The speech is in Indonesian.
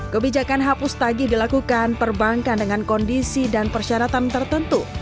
kebijakan hapus tagih dilakukan perbankan dengan kondisi dan persyaratan tertentu